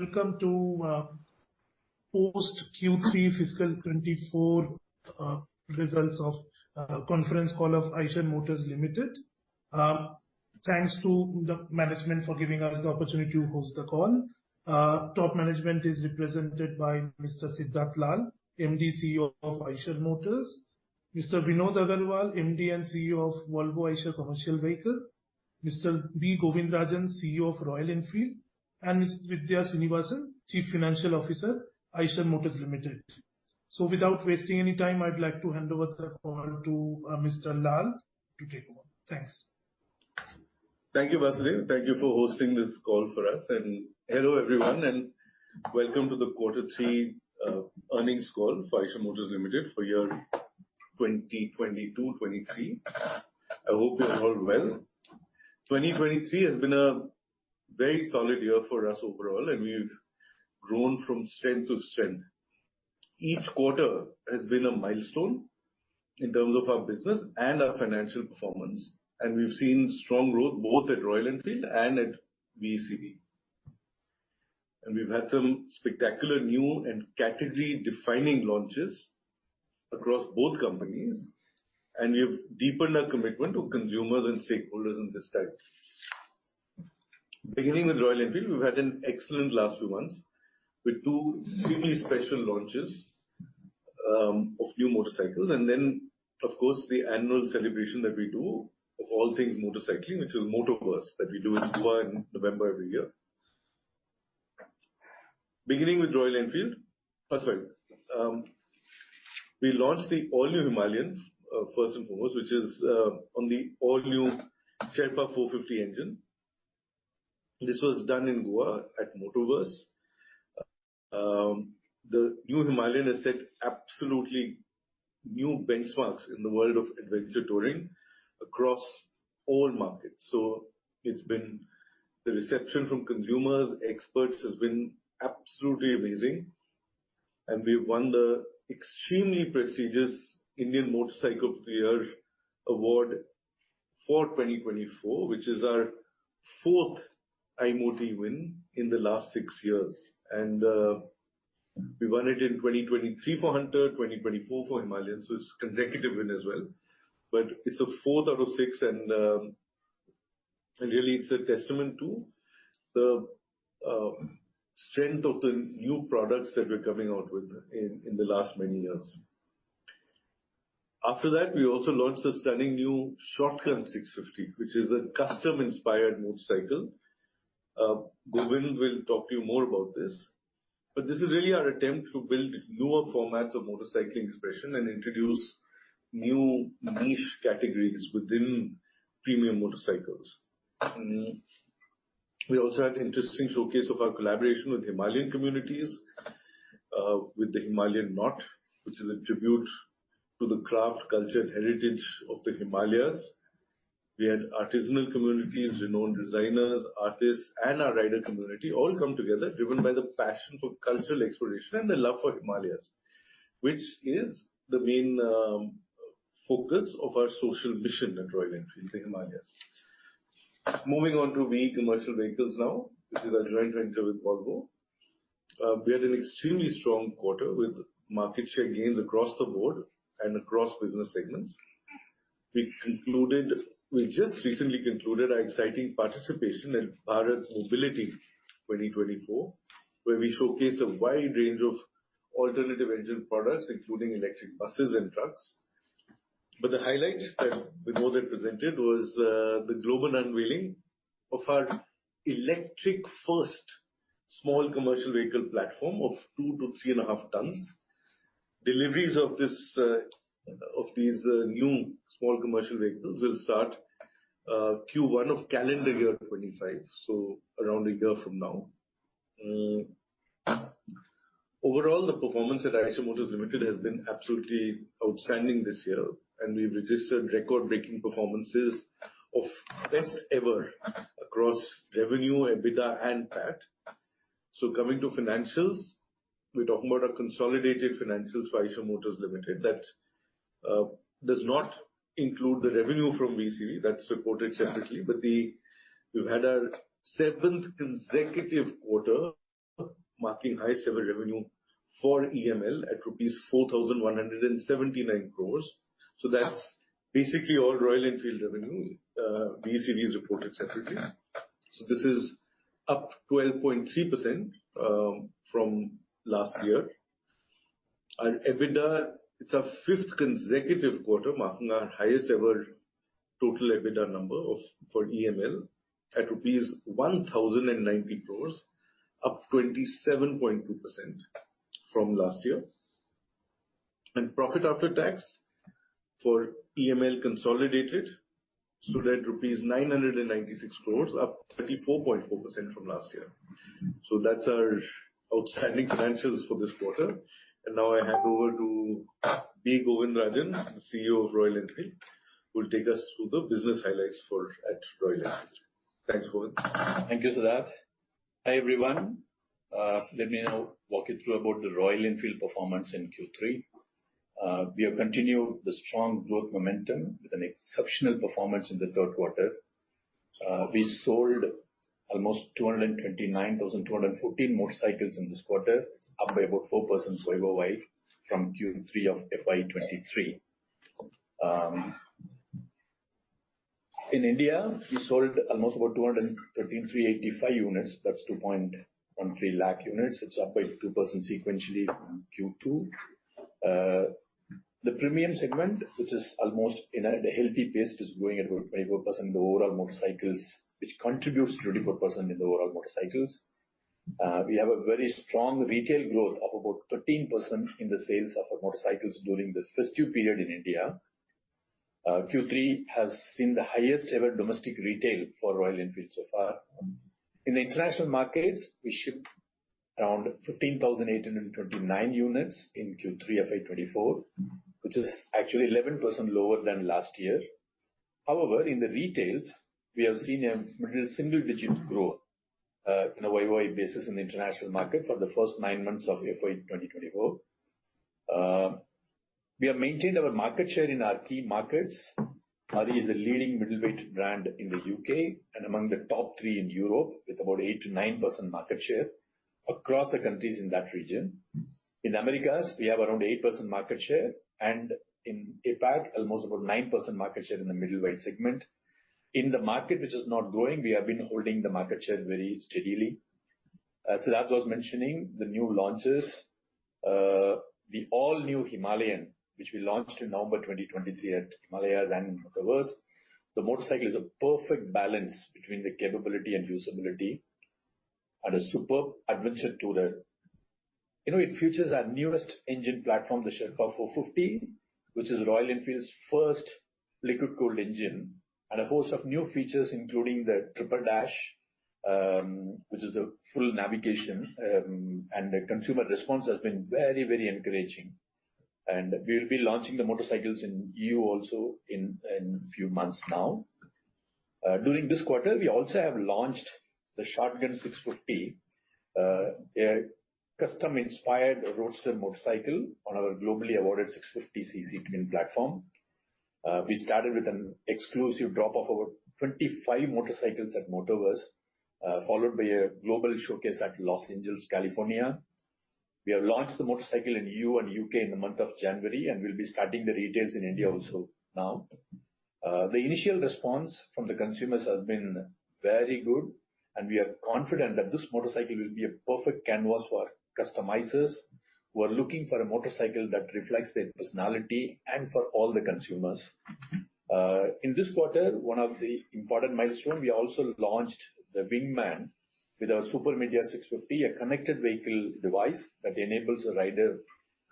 Welcome to Post Q3 Fiscal 2024 Results Conference Call of Eicher Motors Limited. Thanks to the management for giving us the opportunity to host the call. Top management is represented by Mr. Siddhartha Lal, MD, CEO of Eicher Motors; Mr. Vinod Aggarwal, MD and CEO of Volvo Eicher Commercial Vehicles; Mr. B. Govindarajan, CEO of Royal Enfield; and Ms. Vidhya Srinivasan, Chief Financial Officer, Eicher Motors Limited. Without wasting any time, I'd like to hand over the call to Mr. Lal to take over. Thanks. Thank you, Basudev Thank you for hosting this call for us. Hello everyone, and welcome to the Q3 Earnings Call for Eicher Motors Limited for year 2022-23. I hope you're all well. 2023 has been a very solid year for us overall, and we've grown from strength to strength. Each quarter has been a milestone in terms of our business and our financial performance, and we've seen strong growth both at Royal Enfield and at VECV. We've had some spectacular new and category-defining launches across both companies, and we've deepened our commitment to consumers and stakeholders in this time. Beginning with Royal Enfield, we've had an excellent last few months with two extremely special launches of new motorcycles, and then, of course, the annual celebration that we do of all things motorcycling, which is Motoverse, that we do in Goa in November every year. Beginning with Royal Enfield, oh, sorry, we launched the all-new Himalayan, first and foremost, which is on the all-new Sherpa 450 engine. This was done in Goa at Motoverse. The new Himalayan has set absolutely new benchmarks in the world of adventure touring across all markets. So it's been the reception from consumers, experts has been absolutely amazing, and we've won the extremely prestigious Indian Motorcycle of the Year award for 2024, which is our fourth IMOTY win in the last six years. And, we won it in 2023 for Hunter, 2024 for Himalayan, so it's a consecutive win as well. But it's the fourth out of six, and, and really it's a testament to the strength of the new products that we're coming out with in, in the last many years. After that, we also launched a stunning new Shotgun 650, which is a custom-inspired motorcycle. Govind will talk to you more about this, but this is really our attempt to build newer formats of motorcycling expression and introduce new niche categories within premium motorcycles. We also had an interesting showcase of our collaboration with Himalayan communities, with the Himalayan Knot, which is a tribute to the craft, culture, and heritage of the Himalayas. We had artisanal communities, renowned designers, artists, and our rider community all come together, driven by the passion for cultural exploration and the love for Himalayas, which is the main focus of our social mission at Royal Enfield, the Himalayas. Moving on to VECV commercial vehicles now, which is our joint venture with Volvo, we had an extremely strong quarter with market share gains across the board and across business segments. We concluded, we just recently concluded, our exciting participation at Bharat Mobility 2024, where we showcased a wide range of alternative engine products, including electric buses and trucks. But the highlight that Vinod had presented was the global unveiling of our electric-first small commercial vehicle platform of 2-3.5 tons. Deliveries of this, of these new small commercial vehicles will start Q1 of calendar year 2025, so around a year from now. Overall, the performance at Eicher Motors Limited has been absolutely outstanding this year, and we've registered record-breaking performances of best ever across revenue, EBITDA, and PAT. So coming to financials, we're talking about our consolidated financials for Eicher Motors Limited. That does not include the revenue from VECV; that's reported separately. But we've had our seventh consecutive quarter marking highest-ever revenue for EML at rupees 4,179 crores. So that's basically all Royal Enfield revenue, VECV's reported separately. So this is up 12.3% from last year. Our EBITDA, it's our fifth consecutive quarter marking our highest-ever total EBITDA number for EML at rupees 1,090 crores, up 27.2% from last year. And profit after tax for EML consolidated stood at rupees 996 crores, up 34.4% from last year. So that's our outstanding financials for this quarter. And now I hand over to B. Govindarajan, the CEO of Royal Enfield, who will take us through the business highlights for at Royal Enfield. Thanks, Govind. Thank you, Siddhartha. Hi everyone. Let me now walk you through about the Royal Enfield performance in Q3. We have continued the strong growth momentum with an exceptional performance in the third quarter. We sold almost 229,214 motorcycles in this quarter. It's up by about 4% year-over-year from Q3 of FY23. In India, we sold almost about 213,385 units. That's 2.13 lakh units. It's up by 2% sequentially in Q2. The premium segment, which is almost in a—at a healthy pace, is growing at about 24% in the overall motorcycles, which contributes 24% in the overall motorcycles. We have a very strong retail growth of about 13% in the sales of our motorcycles during the festive period in India. Q3 has seen the highest-ever domestic retail for Royal Enfield so far. In the international markets, we shipped around 15,829 units in Q3 FY 2024, which is actually 11% lower than last year. However, in the retail, we have seen a middle single-digit growth, on a year-over-year basis in the international market for the first nine months of FY 2024. We have maintained our market share in our key markets. RE is a leading middleweight brand in the U.K. and among the top three in Europe with about 8%-9% market share across the countries in that region. In the Americas, we have around 8% market share, and in APAC, almost about 9% market share in the middleweight segment. In the market, which is not growing, we have been holding the market share very steadily. Siddhartha was mentioning the new launches. The all-new Himalayan, which we launched in November 2023 at Himalayas and in Motoverse, the motorcycle is a perfect balance between the capability and usability and a superb adventure tourer. You know, it features our newest engine platform, the Sherpa 450, which is Royal Enfield's first liquid-cooled engine, and a host of new features, including the Tripper Dash, which is a full navigation, and the consumer response has been very, very encouraging. We'll be launching the motorcycles in the EU also in a few months now. During this quarter, we also have launched the Shotgun 650, a custom-inspired roadster motorcycle on our globally awarded 650cc twin platform. We started with an exclusive drop-off of about 25 motorcycles at Motoverse, followed by a global showcase at Los Angeles, California. We have launched the motorcycle in the EU and U.K. in the month of January, and we'll be starting the retail in India also now. The initial response from the consumers has been very good, and we are confident that this motorcycle will be a perfect canvas for customizers who are looking for a motorcycle that reflects their personality and for all the consumers. In this quarter, one of the important milestones, we also launched the Wingman with our Super Meteor 650, a connected vehicle device that enables a rider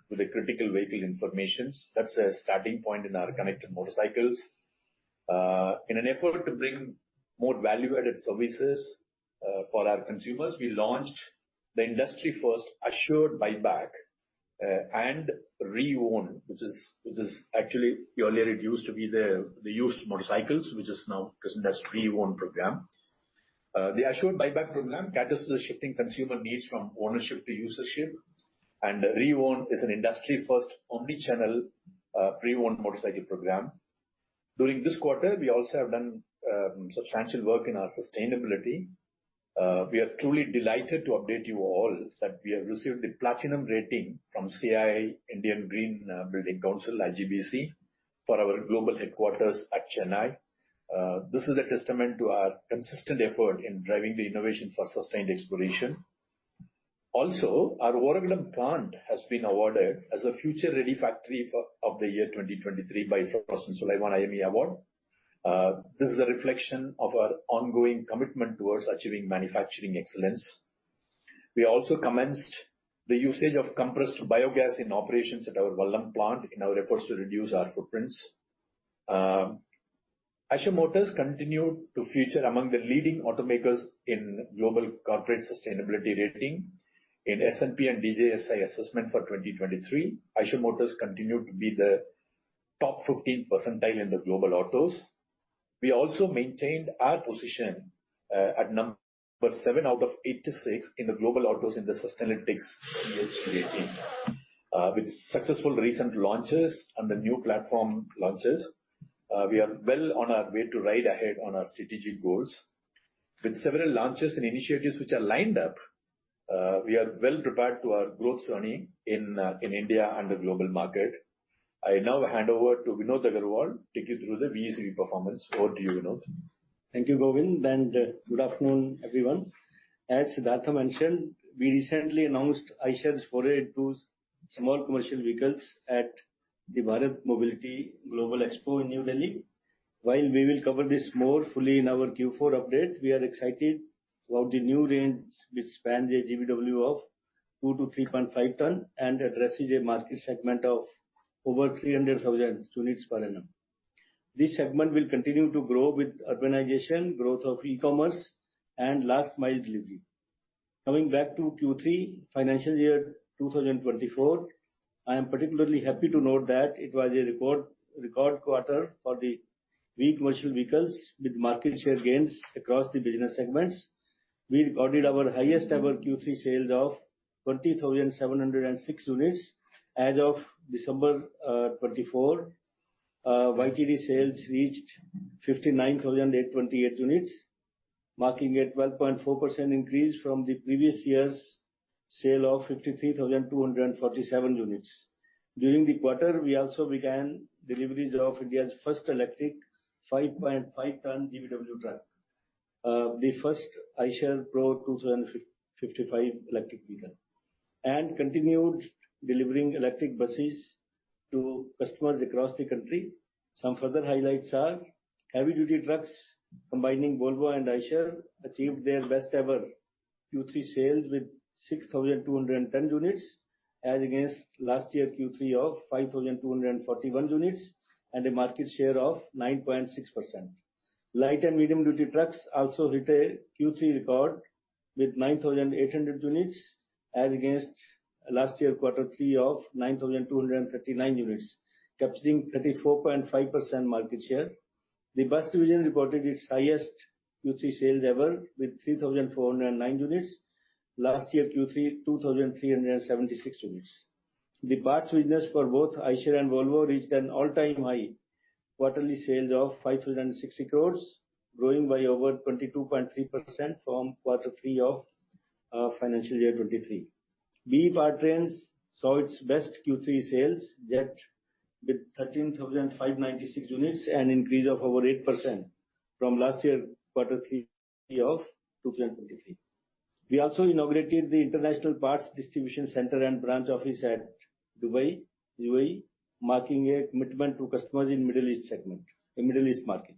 with critical vehicle information. That's a starting point in our connected motorcycles. In an effort to bring more value-added services for our consumers, we launched the industry-first Assured Buyback, and Reown, which is—which is actually earlier it used to be the—the used motorcycles, which is now this industry-owned program. The Assured Buyback program caters to the shifting consumer needs from ownership to usership, and Reown is an industry-first omnichannel, pre-owned motorcycle program. During this quarter, we also have done substantial work in our sustainability. We are truly delighted to update you all that we have received the Platinum rating from CII, Indian Green Building Council, IGBC, for our global headquarters at Chennai. This is a testament to our consistent effort in driving the innovation for sustained exploration. Also, our Vallam Vadagal plant has been awarded as a Future Ready Factory of the Year 2023 by Frost & Sullivan IME Award. This is a reflection of our ongoing commitment towards achieving manufacturing excellence. We also commenced the usage of compressed biogas in operations at our Vallam Vadagal plant in our efforts to reduce our footprints. Eicher Motors continued to feature among the leading automakers in global corporate sustainability ratings in S&P Global and DJSI assessments for 2023. Eicher Motors continued to be in the top 15th percentile in the global autos. We also maintained our position, at number seven out of 86 in the global autos in the Sustainalytics ESG rating, with successful recent launches and the new platform launches. We are well on our way to ride ahead on our strategic goals. With several launches and initiatives which are lined up, we are well prepared for our growth journey in India and the global market. I now hand over to Vinod Aggarwal to take you through the VECV performance. Over to you, Vinod. Thank you, Govind, and good afternoon, everyone. As Siddhartha mentioned, we recently announced Eicher's 482 small commercial vehicles at the Bharat Mobility Global Expo in New Delhi. While we will cover this more fully in our Q4 update, we are excited about the new range which spans a GVW of 2 to 3.5 tons and addresses a market segment of over 300,000 units per annum. This segment will continue to grow with urbanization, growth of e-commerce, and last-mile delivery. Coming back to Q3, financial year 2024, I am particularly happy to note that it was a record, record quarter for the VECV commercial vehicles with market share gains across the business segments. We recorded our highest-ever Q3 sales of 20,706 units as of December 2024. YTD sales reached 59,828 units, marking a 12.4% increase from the previous year's sale of 53,247 units. During the quarter, we also began deliveries of India's first electric 5.5-ton GVW truck, the first Eicher Pro 2055 electric vehicle, and continued delivering electric buses to customers across the country. Some further highlights are heavy-duty trucks combining Volvo and Eicher achieved their best-ever Q3 sales with 6,210 units as against last year Q3 of 5,241 units and a market share of 9.6%. Light and medium-duty trucks also hit a Q3 record with 9,800 units as against last year quarter three of 9,239 units, capturing 34.5% market share. The bus division reported its highest Q3 sales ever with 3,409 units, last year Q3 2,376 units. The parts business for both Eicher and Volvo reached an all-time high quarterly sales of 5,060 crores, growing by over 22.3% from quarter three of, financial year 2023. VE Powertrain saw its best Q3 sales yet, with 13,596 units and an increase of over 8% from last year quarter three of 2023. We also inaugurated the International Parts Distribution Center and branch office at Dubai, UAE, marking a commitment to customers in the Middle East segment, the Middle East market.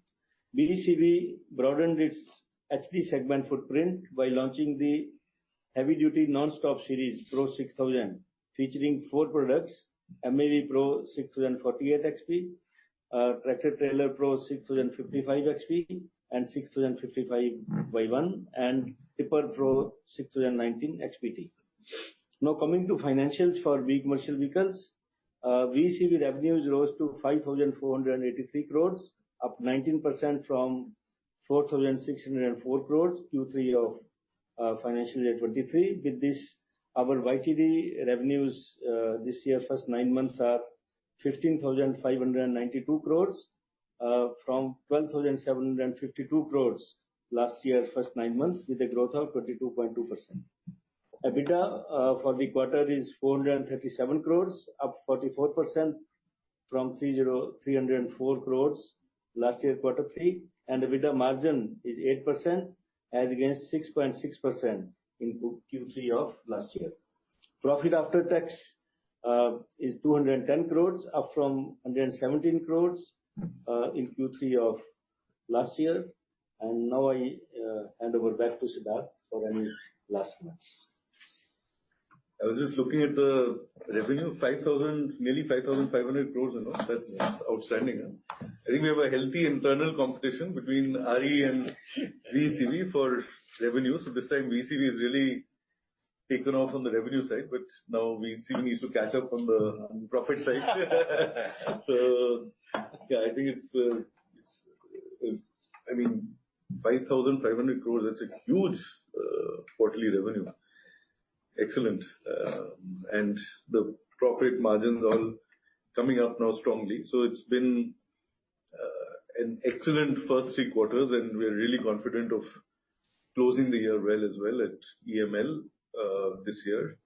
VECV broadened its HD segment footprint by launching the heavy-duty Non-Stop Series Pro 6000, featuring four products: Eicher Pro 6048 XP, Eicher Pro 6055 XP and 6055 4x2, and Eicher Pro 6019 XPT. Now, coming to financials for VE Commercial Vehicles, VECV revenues rose to 5,483 crores, up 19% from 4,604 crores Q3 of financial year 2023. With this, our YTD revenues, this year first nine months are 15,592 crores, from 12,752 crores last year first nine months with a growth of 22.2%. EBITDA for the quarter is 437 crore, up 44% from 304 crore last year quarter three, and EBITDA margin is 8% as against 6.6% in Q3 of last year. Profit after tax is 210 crore, up from 117 crore, in Q3 of last year. Now I hand over back to Siddhartha for any last comments. I was just looking at the revenue. INR 5,000-nearly 5,500 crores, you know. That's outstanding. I think we have a healthy internal competition between RE and VECV for revenue. So this time, VECV has really taken off on the revenue side, but now VECV needs to catch up on the profit side. So yeah, I think it's, it'sI mean, 5,500 crores, that's a huge, quarterly revenue. Excellent. And the profit margins are all coming up now strongly. So it's been, an excellent first three quarters, and we are really confident of closing the year well as well at EML, this year.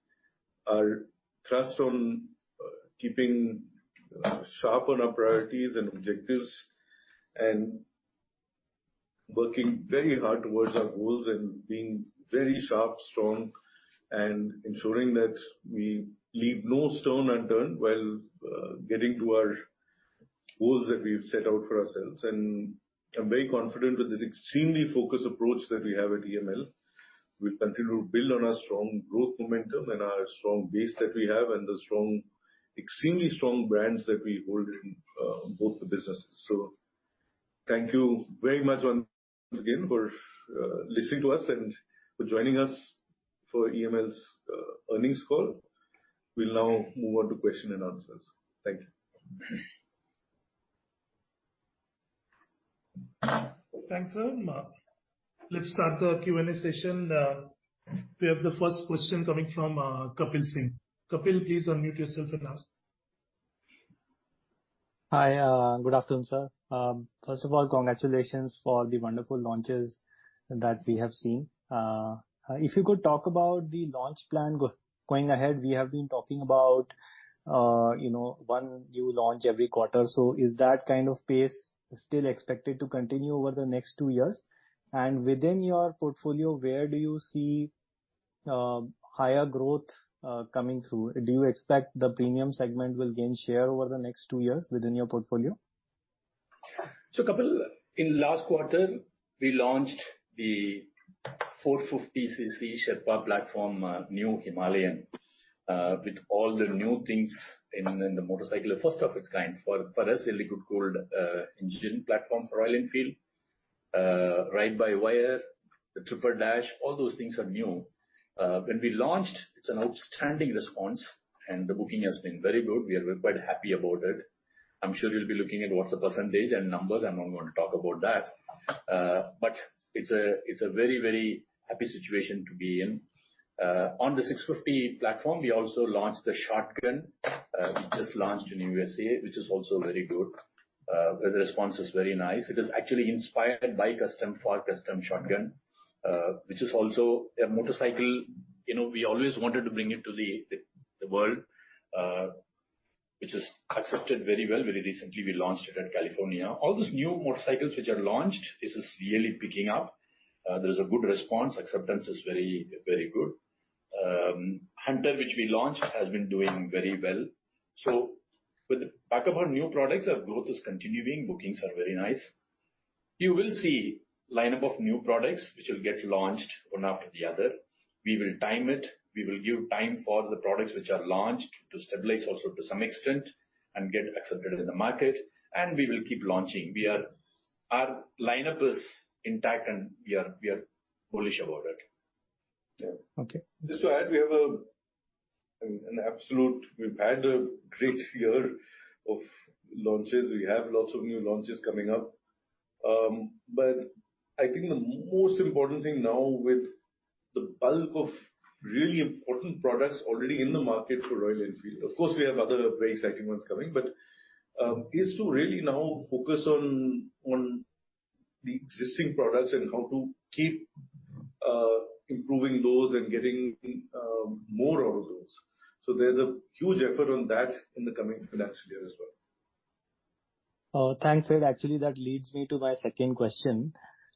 Our trust on, keeping, sharp on our priorities and objectives and working very hard towards our goals and being very sharp, strong, and ensuring that we leave no stone unturned while, getting to our goals that we've set out for ourselves. I'm very confident with this extremely focused approach that we have at EML. We'll continue to build on our strong growth momentum and our strong base that we have and the strong, extremely strong brands that we hold in both the businesses. Thank you very much once again for listening to us and for joining us for EML's earnings call. We'll now move on to question and answers. Thank you. Thanks, sir. Let's start the Q&A session. We have the first question coming from Kapil Singh. Kapil, please unmute yourself and ask. Hi. Good afternoon, sir. First of all, congratulations for the wonderful launches that we have seen. If you could talk about the launch plan going ahead, we have been talking about, you know, one new launch every quarter. So is that kind of pace still expected to continue over the next two years? And within your portfolio, where do you see higher growth coming through? Do you expect the premium segment will gain share over the next two years within your portfolio? So, Kapil, in last quarter, we launched the 450cc Sherpa platform, new Himalayan, with all the new things in the motorcycle of first of its kind. For us, a liquid-cooled engine platform for Royal Enfield. Ride-by-wire, the Tripper Dash, all those things are new. When we launched, it's an outstanding response, and the booking has been very good. We are quite happy about it. I'm sure you'll be looking at what's the percentage and numbers. I'm not going to talk about that. But it's a—it's a very, very happy situation to be in. On the 650 platform, we also launched the Shotgun. We just launched in the USA, which is also very good. The response is very nice. It is actually inspired by custom—for custom Shotgun, which is also a motorcycle. You know, we always wanted to bring it to the—the world, which is accepted very well. Very recently, we launched it at California. All those new motorcycles which are launched. This is really picking up. There's a good response. Acceptance is very, very good. Hunter, which we launched, has been doing very well. So with the backup of new products, our growth is continuing. Bookings are very nice. You will see a lineup of new products which will get launched one after the other. We will time it. We will give time for the products which are launched to stabilize also to some extent and get accepted in the market. We will keep launching. We are, our lineup is intact, and we are, we are bullish about it Okay. Just to add, we've had a great year of launches. We have lots of new launches coming up. But I think the most important thing now, with the bulk of really important products already in the market Royal Enfield, of course, we have other very exciting ones coming, but is to really now focus on the existing products and how to keep improving those and getting more out of those. So there's a huge effort on that in the coming financial year as well. Thanks, Sid. Actually, that leads me to my second question.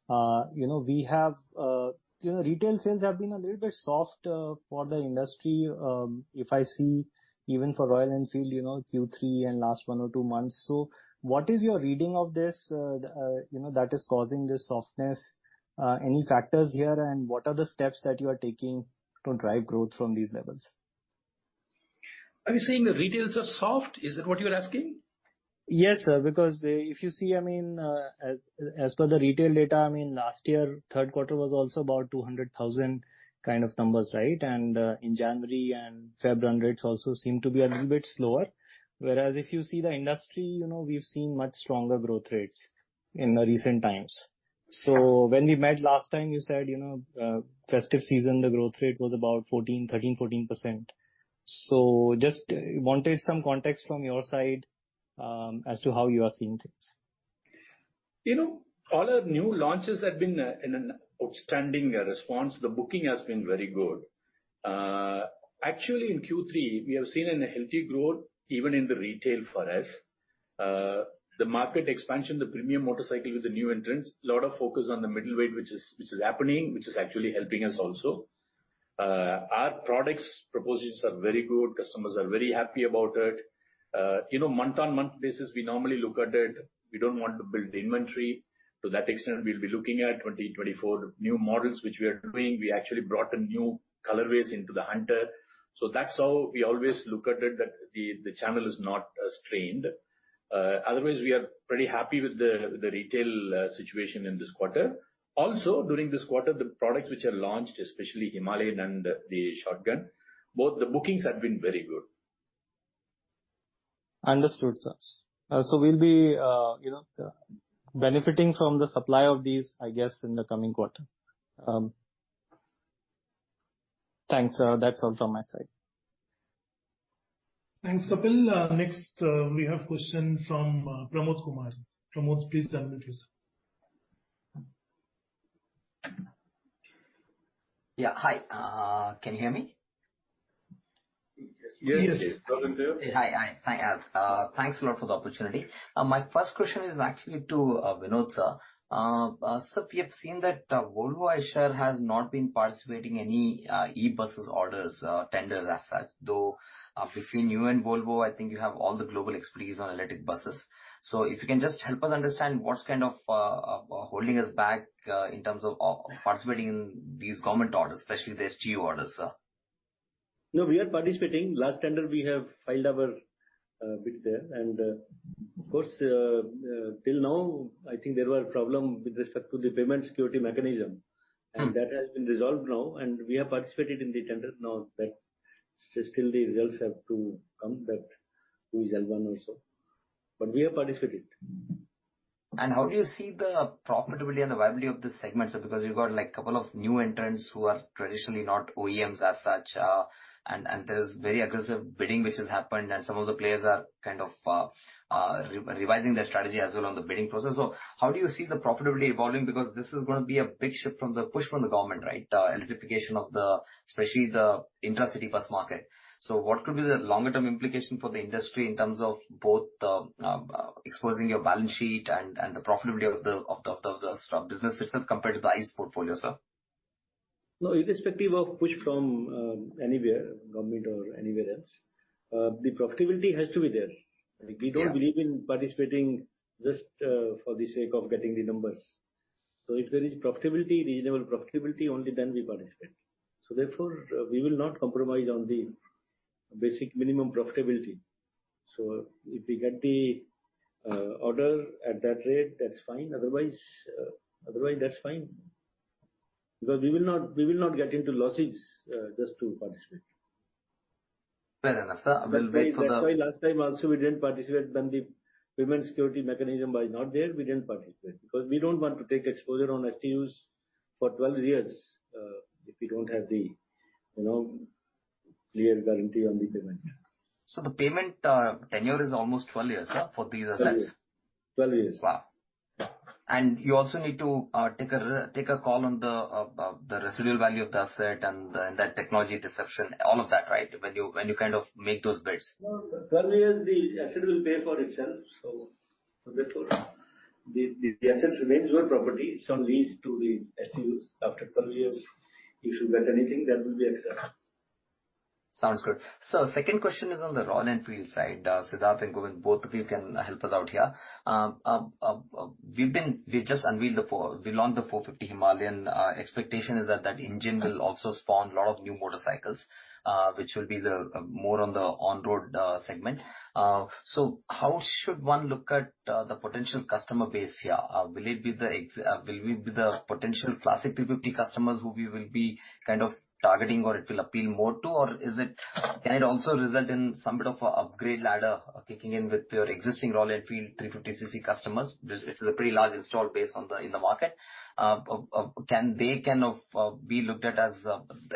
You know, we have, you know, retail sales have been a little bit soft for the industry, if I see, even for Royal Enfield, you know, Q3 and last one or two months. So what is your reading of this, you know, that is causing this softness? Any factors here, and what are the steps that you are taking to drive growth from these levels? Are you saying the retails are soft? Is that what you're asking? Yes, sir, because if you see, I mean, as per the retail data, I mean, last year third quarter was also about 200,000 kind of numbers, right? And, in January and February, rates also seem to be a little bit slower. Whereas if you see the industry, you know, we've seen much stronger growth rates in the recent times. So when we met last time, you said, you know, festive season, the growth rate was about 14, 13, 14%. So just wanted some context from your side, as to how you are seeing things. You know, all our new launches have been in an outstanding response. The booking has been very good. Actually, in Q3, we have seen a healthy growth even in the retail for us. The market expansion, the premium motorcycle with the new entrants, a lot of focus on the middle weight, which is—which is happening, which is actually helping us also. Our products propositions are very good. Customers are very happy about it. You know, month-on-month basis, we normally look at it. We don't want to build inventory. To that extent, we'll be looking at 2024 new models which we are doing. We actually brought a new colorways into the Hunter. So that's how we always look at it, that the channel is not strained. Otherwise, we are pretty happy with the retail situation in this quarter. Also, during this quarter, the products which are launched, especially Himalayan and the Shotgun, both the bookings have been very good. Understood, sir. So we'll be, you know, benefiting from the supply of these, I guess, in the coming quarter. Thanks, sir. That's all from my side. Thanks, Kapil. Next, we have a question from Pramod Kumar. Pramod, please unmute yourself. Yeah. Hi. Can you hear me? Yes. Yes. Yes. Hey. Hi. I thank—thanks a lot for the opportunity. My first question is actually to Vinod, sir. Sir, we have seen that Volvo Eicher has not been participating in any e-buses orders, tenders as such, though between you and Volvo, I think you have all the global expertise on electric buses. So if you can just help us understand what's kind of holding us back in terms of participating in these government orders, especially the STU orders, sir. No, we are participating. Last tender, we have filed our bid there. Of course, till now, I think there were problems with respect to the payment security mechanism. That has been resolved now. We have participated in the tender now that still the results have to come, that who is L1 or so. But we have participated. How do you see the profitability and the viability of the segment, sir? Because you've got, like, a couple of new entrants who are traditionally not OEMs as such, and there's very aggressive bidding which has happened, and some of the players are kind of, revising their strategy as well on the bidding process. So how do you see the profitability evolving? Because this is going to be a big shift from the push from the government, right? Electrification of the—especially the intracity bus market. So what could be the longer-term implication for the industry in terms of both the exposing your balance sheet and the profitability of the business itself compared to the ICE portfolio, sir? No, irrespective of push from anywhere, government or anywhere else, the profitability has to be there. Like, we don't believe in participating just for the sake of getting the numbers. So if there is profitability, reasonable profitability, only then we participate. So therefore, we will not compromise on the basic minimum profitability. So if we get the order at that rate, that's fine. Otherwise, otherwise, that's fine. Because we will not—we will not get into losses, just to participate. Fair enough, sir. We'll wait for the. That's why last time also we didn't participate when the payment security mechanism was not there. We didn't participate because we don't want to take exposure on STUs for 12 years, if we don't have the, you know, clear guarantee on the payment. So the payment, tenure is almost 12 years, sir, for these assets? 12 years. 12 years. Wow. And you also need to take a call on the residual value of the asset and that technology depreciation, all of that, right, when you kind of make those bids? No, 12 years, the asset will pay for itself. So therefore, the assets remains your property. It's on lease to the STUs. After 12 years, if you get anything, that will be accepted. Sounds good. Sir, second question is on the Royal Enfield side. Siddhartha and Govind, both of you can help us out here. We just launched the Himalayan 450. Expectation is that that engine will also spawn a lot of new motorcycles, which will be more on the on-road segment. So how should one look at the potential customer base here? Will it be the potential Classic 350 customers who we will be kind of targeting or it will appeal more to? Or is it—can it also result in some bit of an upgrade ladder kicking in with your existing Royal Enfield 350cc customers? It's a pretty large installed base in the market. Can they kind of be looked at as,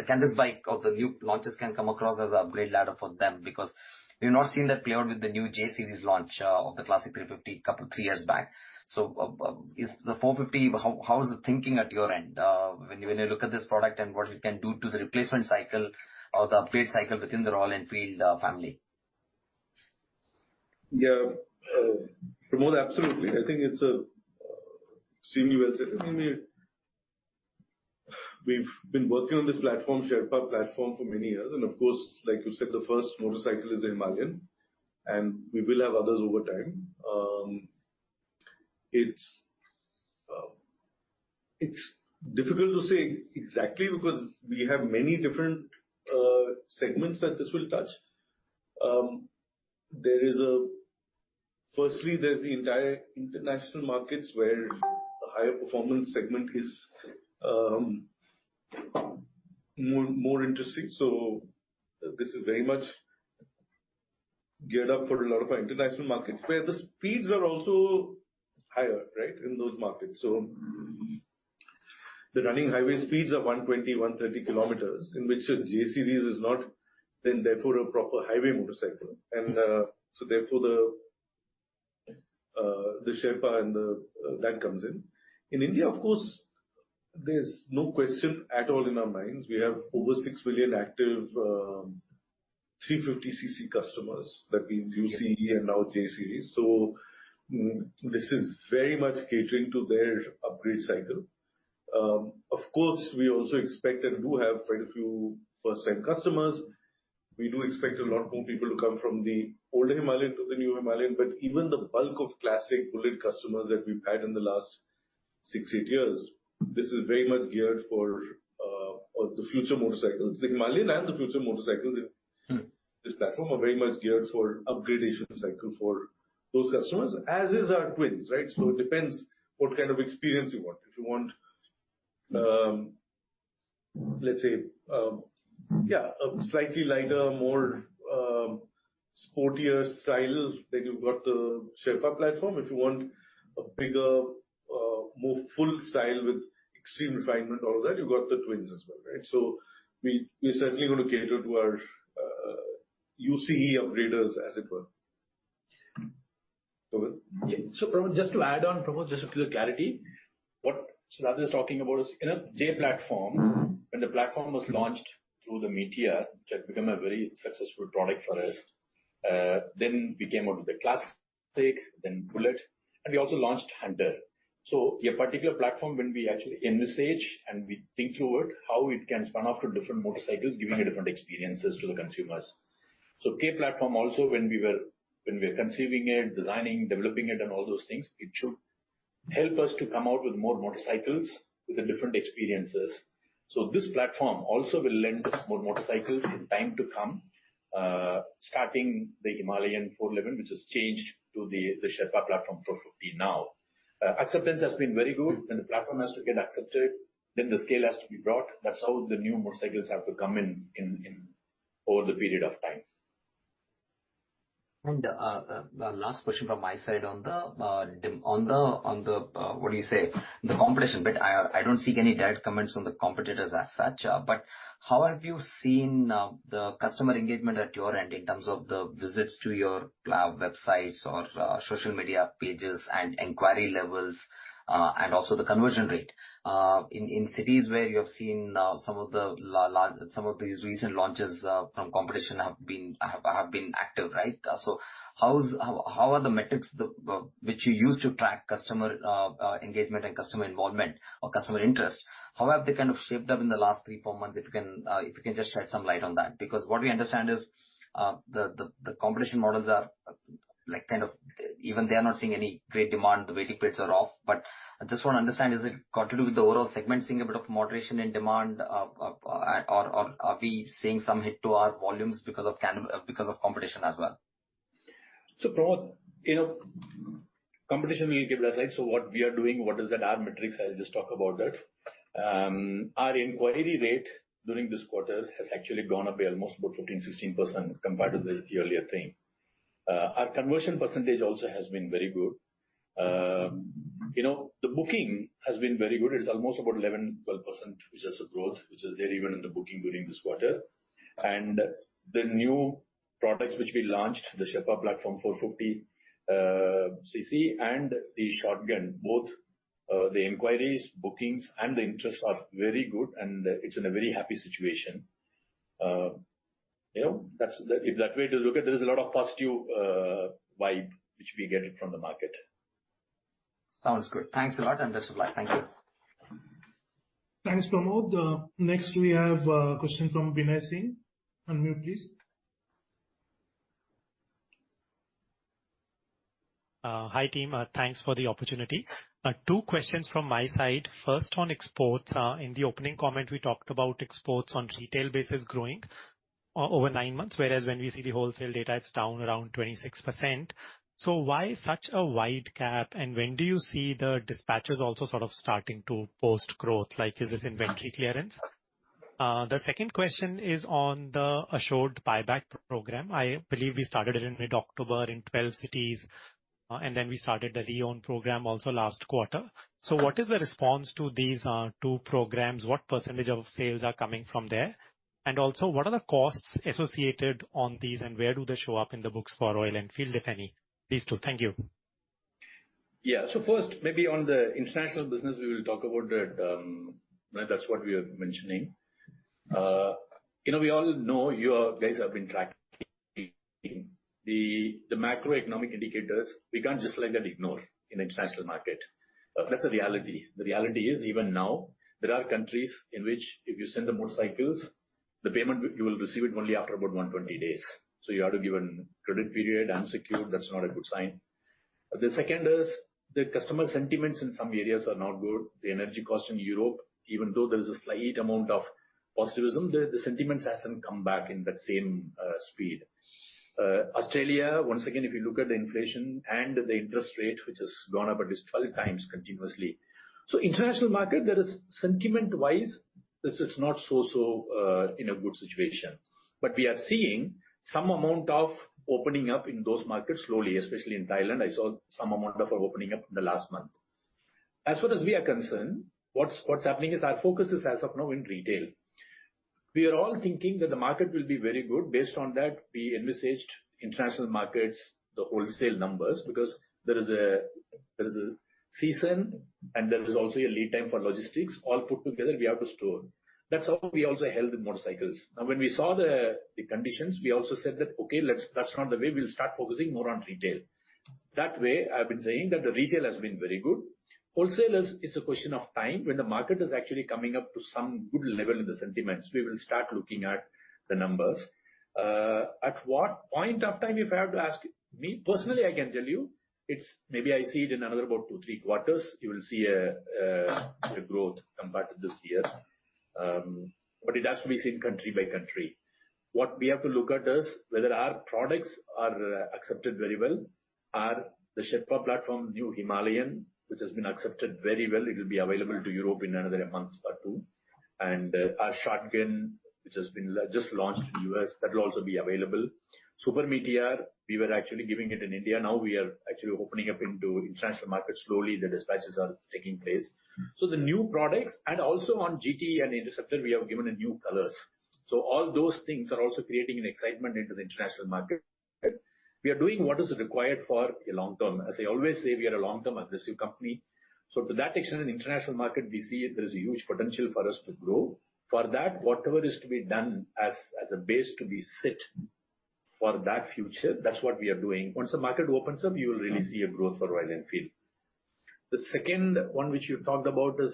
can this bike or the new launches come across as an upgrade ladder for them? Because we've not seen that play out with the new J-Series launch, of the Classic 350 a couple of three years back. So, is the 450—how is the thinking at your end, when you look at this product and what it can do to the replacement cycle or the upgrade cycle within the Royal Enfield family? Yeah. Pramod, absolutely. I think it's extremely well said. I mean, we've been working on this platform, Sherpa platform, for many years. Of course, like you said, the first motorcycle is the Himalayan. We will have others over time. It's difficult to say exactly because we have many different segments that this will touch. There is, firstly, the entire international markets where a higher performance segment is more interesting. So this is very much geared up for a lot of our international markets where the speeds are also higher, right, in those markets. So the running highway speeds are 120, 130 km, in which a J-Series is not then therefore a proper highway motorcycle. So therefore, the Sherpa and that comes in. In India, of course, there's no question at all in our minds. We have over six million active 350cc customers. That means UCE and now J-Series. So this is very much catering to their upgrade cycle. Of course, we also expect and do have quite a few first-time customers. We do expect a lot more people to come from the older Himalayan to the new Himalayan. But even the bulk of Classic Bullet customers that we've had in the last 6, 8 years, this is very much geared for the future motorcycles. The Himalayan and the future motorcycles in this platform are very much geared for upgradation cycle for those customers, as is our twins, right? So it depends what kind of experience you want. If you want, let's say, yeah, a slightly lighter, more, sportier style, then you've got the Sherpa platform. If you want a bigger, more full style with extreme refinement, all of that, you've got the twins as well, right? So we're certainly going to cater to our UCE upgraders, as it were. Govind? Yeah. So, Pramod, just to add on, Pramod, just to clarify, what Siddhartha is talking about is, in a J platform, when the platform was launched through the Meteor, which had become a very successful product for us, then we came out with the Classic, then Bullet, and we also launched Hunter. So your particular platform, when we actually envisage and we think through it, how it can spun off to different motorcycles, giving you different experiences to the consumers. So K platform also, when we were conceiving it, designing, developing it, and all those things, it should help us to come out with more motorcycles with different experiences. So this platform also will lend more motorcycles in time to come, starting the Himalayan 411, which has changed to the Sherpa platform 450 now. Acceptance has been very good. When the platform has to get accepted, then the scale has to be brought. That's how the new motorcycles have to come in over the period of time. Last question from my side on the—what do you say—the competition bit. I don't see any direct comments on the competitors as such. But how have you seen the customer engagement at your end in terms of the visits to your websites or social media pages and inquiry levels, and also the conversion rate? In cities where you have seen some of the large, some of these recent launches from competition have been active, right? So how are the metrics, the which you use to track customer engagement and customer involvement or customer interest? How have they kind of shaped up in the last three, four months, if you can just shed some light on that? Because what we understand is the competition models are like kind of even they are not seeing any great demand. The waiting periods are off. But I just want to understand, is it got to do with the overall segment seeing a bit of moderation in demand, or—or are we seeing some hit to our volumes because of cannibalization because of competition as well? So, Pramod, you know, competition will get aside. So what we are doing, what is that our metrics? I'll just talk about that. Our inquiry rate during this quarter has actually gone up by almost about 15%-16% compared to the earlier thing. Our conversion percentage also has been very good. You know, the booking has been very good. It's almost about 11%-12%, which is a growth, which is there even in the booking during this quarter. And the new products which we launched, the Sherpa platform 450, CC, and the Shotgun, both, the inquiries, bookings, and the interest are very good. And it's in a very happy situation. You know, that's the if that way to look at it, there is a lot of positive vibe which we get from the market. Sounds good. Thanks a lot. Thank you. Thanks, Pramod. Next, we have a question from Binay Singh. Unmute, please. Hi, team. Thanks for the opportunity. Two questions from my side. First, on exports, in the opening comment, we talked about exports on retail basis growing over nine months, whereas when we see the wholesale data, it's down around 26%. So why such a wide gap? And when do you see the dispatchers also sort of starting to post growth? Like, is this inventory clearance? The second question is on the Assured Buyback program. I believe we started it in mid-October in 12 cities, and then we started the Reown program also last quarter. So what is the response to these two programs? What percentage of sales are coming from there? And also, what are the costs associated on these, and where do they show up in the books for Royal Enfield, if any? These two. Thank you. Yeah. So first, maybe on the international business, we will talk about that, right? That's what we are mentioning. You know, we all know you guys have been tracking the macroeconomic indicators. We can't just let that ignore in the international market. That's a reality. The reality is, even now, there are countries in which if you send the motorcycles, the payment, you will receive it only after about 120 days. So you have to give an unsecured credit period. That's not a good sign. The second is the customer sentiments in some areas are not good. The energy cost in Europe, even though there is a slight amount of positivism, the sentiments haven't come back in that same speed. Australia, once again, if you look at the inflation and the interest rate, which has gone up at least 12 times continuously. So international market, there is sentiment-wise, it's not so in a good situation. But we are seeing some amount of opening up in those markets slowly, especially in Thailand. I saw some amount of opening up in the last month. As far as we are concerned, what's happening is our focus is as of now in retail. We are all thinking that the market will be very good. Based on that, we envisaged international markets, the wholesale numbers, because there is a season, and there is also a lead time for logistics. All put together, we have to store. That's how we also held the motorcycles. Now, when we saw the conditions, we also said that, "Okay, that's not the way. We'll start focusing more on retail." That way, I've been saying that the retail has been very good. Wholesalers, it's a question of time. When the market is actually coming up to some good level in the sentiments, we will start looking at the numbers. At what point of time, if I have to ask me personally, I can tell you, it's maybe I see it in another about 2-3 quarters, you will see a growth compared to this year. But it has to be seen country by country. What we have to look at is whether our products are accepted very well. Our Sherpa platform, new Himalayan, which has been accepted very well, it will be available to Europe in another month or 2. Our Shotgun, which has been just launched in the U.S., that will also be available. Super Meteor, we were actually giving it in India. Now, we are actually opening up into international markets slowly. The dispatches are taking place. So the new products, and also on GT and Interceptor, we have given a new colors. So all those things are also creating an excitement into the international market. We are doing what is required for a long term. As I always say, we are a long-term aggressive company. So to that extent, in the international market, we see there is a huge potential for us to grow. For that, whatever is to be done as a base to be set for that future, that's what we are doing. Once the market opens up, you will really see a growth for Royal Enfield. The second one which you talked about is,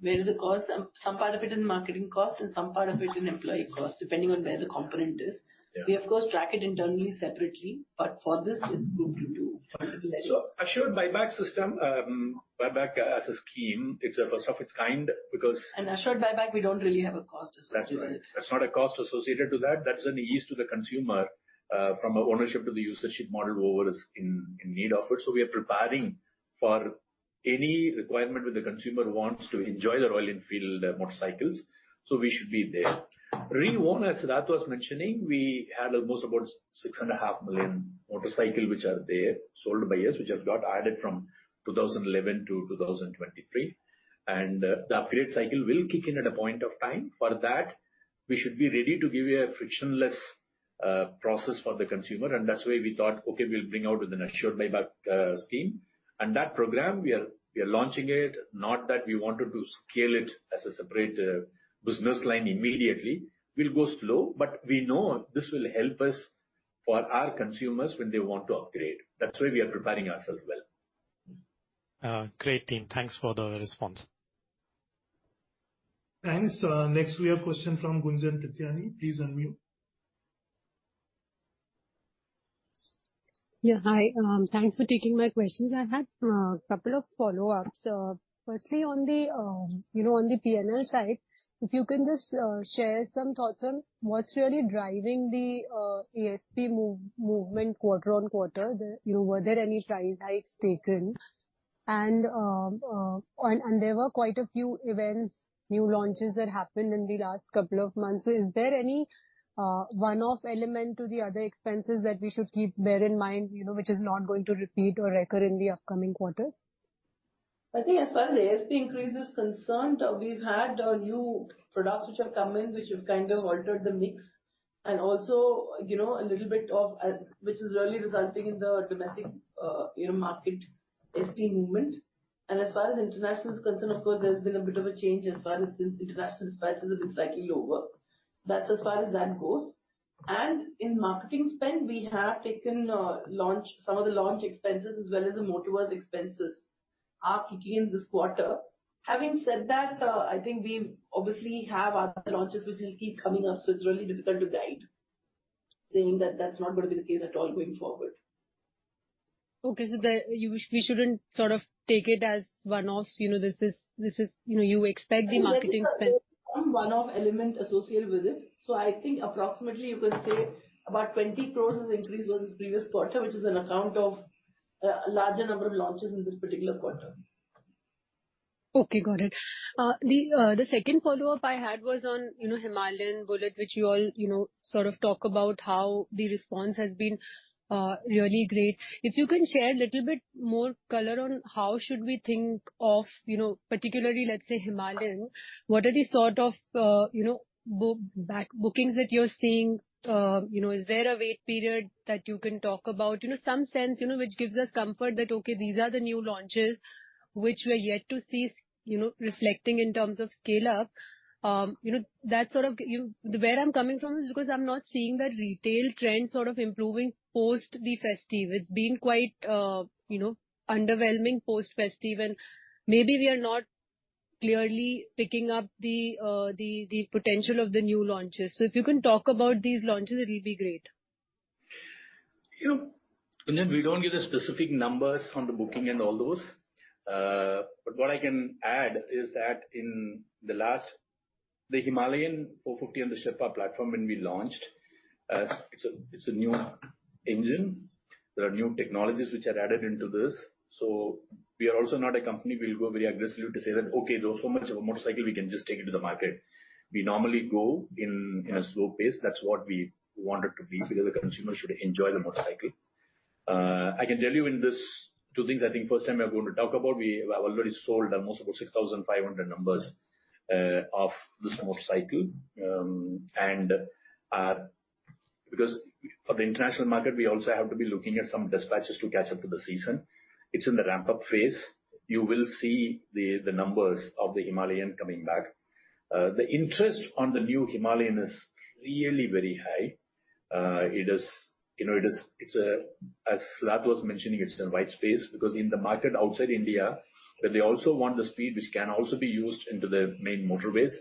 Where the cost, some part of it in marketing cost and some part of it in employee cost, depending on where the component is. We, of course, track it internally separately. But for this, it's grouped into multiple areas. Assured Buyback system, buyback as a scheme, it's a first of its kind because. Assured Buyback, we don't really have a cost associated with it. That's right. That's not a cost associated to that. That's an ease to the consumer, from ownership to usership. Subscription model over ownership is in need of it. So we are preparing for any requirement where the consumer wants to enjoy the Royal Enfield motorcycles. So we should be there. Reown, as Siddhartha was mentioning, we had almost about 6.5 million motorcycles which are there, sold by us, which have got added from 2011 to 2023. And the upgrade cycle will kick in at a point of time. For that, we should be ready to give you a frictionless process for the consumer. And that's why we thought, "Okay, we'll bring out with an Assured Buyback scheme." And that program, we are launching it. Not that we wanted to scale it as a separate business line immediately. We'll go slow, but we know this will help us for our consumers when they want to upgrade. That's why we are preparing ourselves well. Great, team. Thanks for the response. Thanks. Next, we have a question from Gunjan Prithyani. Please unmute. Yeah. Hi. Thanks for taking my questions. I had a couple of follow-ups. Firstly, on the, you know, on the P&L side, if you can just share some thoughts on what's really driving the ASP movement quarter on quarter. Then, you know, were there any price hikes taken? And there were quite a few events, new launches that happened in the last couple of months. So is there any one-off element to the other expenses that we should keep in mind, you know, which is not going to repeat or recur in the upcoming quarter? I think as far as the ASP increase is concerned, we've had new products which have come in which have kind of altered the mix. And also, you know, a little bit of, which is really resulting in the domestic, you know, market ASP movement. And as far as international is concerned, of course, there's been a bit of a change as far as since international expenses have been slightly lower. So that's as far as that goes. And in marketing spend, we have taken, launch some of the launch expenses as well as the Motoverse expenses are kicking in this quarter. Having said that, I think we obviously have other launches which will keep coming up. So it's really difficult to guide, saying that that's not going to be the case at all going forward. Okay. Do you wish we shouldn't sort of take it as one-off? You know, this is, you know, you expect the marketing spend. One-off element associated with it. So I think approximately, you could say, about 20 crore has increased versus previous quarter, which is on account of a larger number of launches in this particular quarter. Okay. Got it. The second follow-up I had was on, you know, Himalayan, Bullet, which you all, you know, sort of talk about how the response has been really great. If you can share a little bit more color on how should we think of, you know, particularly, let's say, Himalayan, what are the sort of, you know, bookings that you're seeing? You know, is there a wait period that you can talk about? You know, some sense, you know, which gives us comfort that, "Okay, these are the new launches which we're yet to see, you know, reflecting in terms of scale-up." You know, that sort of view where I'm coming from is because I'm not seeing that retail trend sort of improving post the festive. It's been quite, you know, underwhelming post-festive. Maybe we are not clearly picking up the potential of the new launches. If you can talk about these launches, it'll be great. You know, Gunjan, we don't give the specific numbers on the booking and all those. But what I can add is that in the last the Himalayan 450 and the Sherpa platform, when we launched, it's a new engine. There are new technologies which are added into this. So we are also not a company. We'll go very aggressively to say that, "Okay, there's so much of a motorcycle, we can just take it to the market." We normally go in a slow pace. That's what we want it to be because the consumer should enjoy the motorcycle. I can tell you in this two things. I think first time we are going to talk about, we have already sold almost about 6,500 numbers, of this motorcycle. Ours, because for the international market, we also have to be looking at some dispatches to catch up to the season. It's in the ramp-up phase. You will see the numbers of the Himalayan coming back. The interest on the new Himalayan is really very high. It is, you know, it is—it's a, as Siddhartha was mentioning, it's in a white space because in the market outside India, where they also want the speed which can also be used into the main motorways,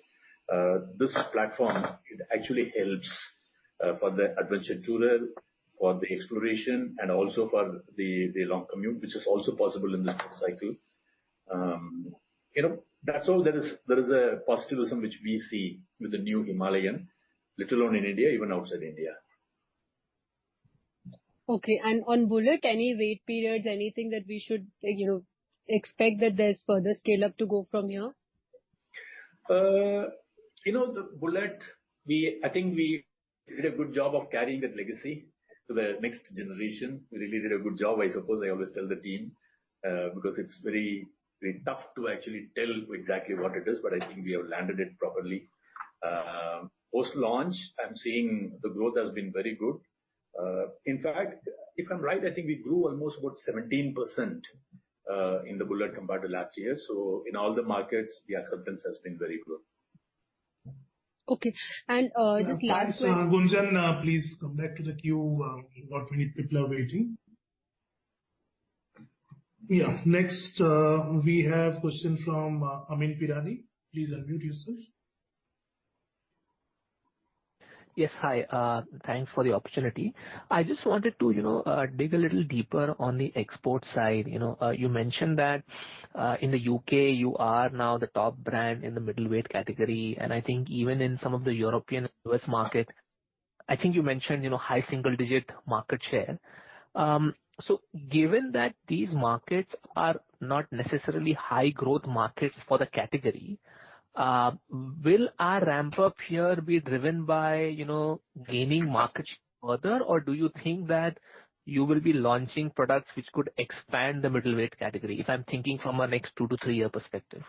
this platform—it actually helps for the adventure tourer, for the exploration, and also for the long commute, which is also possible in this motorcycle. You know, that's all. There is a positivity which we see with the new Himalayan, little known in India, even outside India. Okay. On Bullet, any wait periods, anything that we should, you know, expect that there's further scale-up to go from here? You know, the Bullet, we I think we did a good job of carrying that legacy to the next generation. We really did a good job, I suppose. I always tell the team, because it's very, very tough to actually tell exactly what it is. But I think we have landed it properly. Post-launch, I'm seeing the growth has been very good. In fact, if I'm right, I think we grew almost about 17% in the Bullet compared to last year. So in all the markets, the acceptance has been very good. Okay. And, just last. Thanks, Gunjan. Please come back to the queue. Not many people are waiting. Yeah. Next, we have a question from Amyn Pirani. Please unmute yourself. Yes. Hi. Thanks for the opportunity. I just wanted to, you know, dig a little deeper on the export side. You know, you mentioned that, in the U.K., you are now the top brand in the middleweight category. And I think even in some of the European and U.S. market, I think you mentioned, you know, high single-digit market share. So given that these markets are not necessarily high-growth markets for the category, will our ramp-up here be driven by, you know, gaining market share further, or do you think that you will be launching products which could expand the middleweight category, if I'm thinking from a next two to three-year perspective?